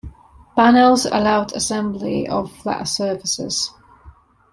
Panels allowed assembly of flat surfaces.